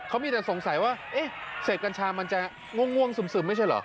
เขามีแต่สงสัยว่าเอ๊ะเศษกัญชามันจะง่วงซึมไม่ใช่เหรอ